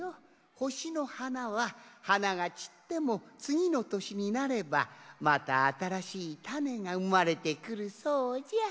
ほしのはなははながちってもつぎのとしになればまたあたらしいタネがうまれてくるそうじゃ。